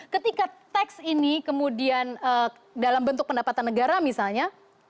ketika teks ini kemudian dalam bentuk pendapatan negara misalnya